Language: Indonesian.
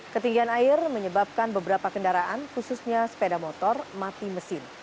ketinggian air menyebabkan beberapa kendaraan khususnya sepeda motor mati mesin